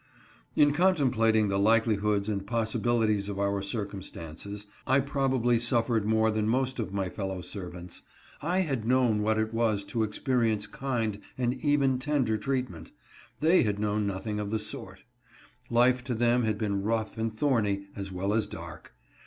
In contemplating the likelihoods and possibilities of our circumstances, I probably suffered more than most of my fellow servants. I had known what it was to experi ence kind and even tender treatment ; they had known nothing of the sort. Life to them had been rough and thorny, as well as dark.